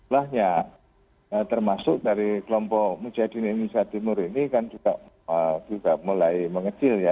nah termasuk dari kelompok mujadin indonesia timur ini kan juga mulai mengecil ya